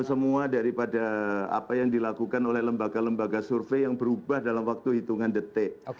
semua daripada apa yang dilakukan oleh lembaga lembaga survei yang berubah dalam waktu hitungan detik